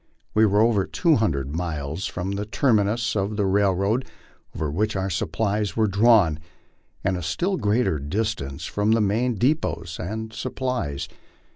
We were over two hundred miles from the terminus of the railroad over which our supplies were drawn, and a still greater distance from the main depots of supplies.